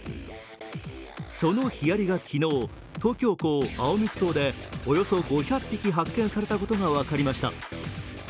そのヒアリが昨日、東京港・青海ふ頭でおよそ５００匹発見されたことが分かりました。